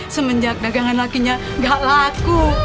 semenjak dagangan kakinya gak laku